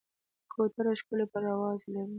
کوتره ښکلی پرواز لري.